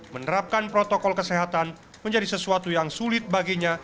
menerapkan protokol kesehatan menjadi sesuatu yang sulit baginya